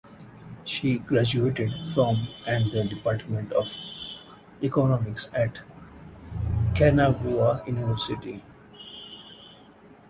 She graduated from and the department of economics at Kanagawa University.